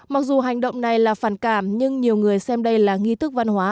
mặc dù hành động này là phản cảm nhưng nhiều người xem đây là nghi thức văn hóa